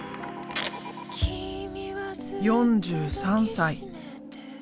４３歳。